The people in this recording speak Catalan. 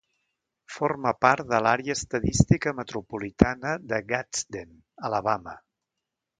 Forma part de l'àrea estadística metropolitana de Gadsden, Alabama.